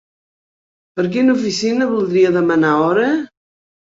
Per quina oficina voldria demanar hora?